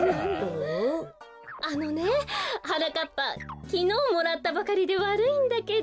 あのねはなかっぱきのうもらったばかりでわるいんだけど。